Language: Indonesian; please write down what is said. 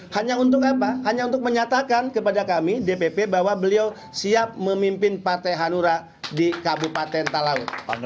hanya untuk apa hanya untuk menyatakan kepada kami dpp bahwa beliau siap memimpin partai hanura di kabupaten talaut